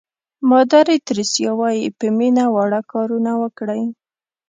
مادر تریسیا وایي په مینه واړه کارونه وکړئ.